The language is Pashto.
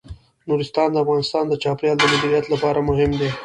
نورستان د افغانستان د چاپیریال د مدیریت لپاره مهم دي.